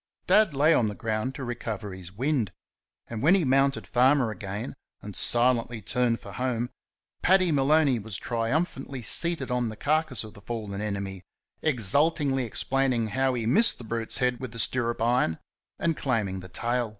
Dad lay on the ground to recover his wind, and when he mounted Farmer again and silently turned for home, Paddy Maloney was triumphantly seated on the carcase of the fallen enemy, exultingly explaining how he missed the brute's head with the stirrup iron, and claiming the tail.